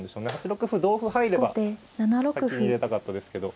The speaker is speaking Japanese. ８六歩同歩入れば先に入れたかったですけど。